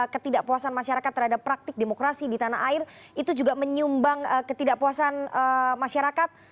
ketidakpuasan masyarakat terhadap praktik demokrasi di tanah air itu juga menyumbang ketidakpuasan masyarakat